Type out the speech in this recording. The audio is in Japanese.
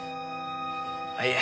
あっいえ。